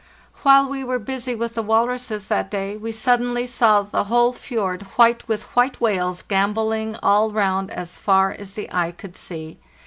While we were busy with the walruses that day we suddenly saw the whole fjord white with white whales gambolling all round as far as the eye could see.